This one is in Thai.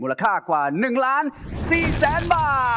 มูลค่ากว่า๑๔๐๐๐๐๐บาท